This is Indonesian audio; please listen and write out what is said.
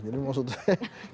jadi maksud saya